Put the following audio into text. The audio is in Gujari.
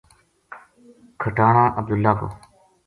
کھٹانہ عبداللہ کو